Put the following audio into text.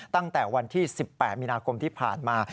ตั้งแต่วันที่๑๘มีนาคมที่ผ่านมา